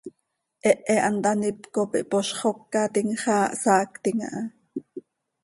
Hehe hant haníp cop ihpozxócatim, xaa hsaactim aha.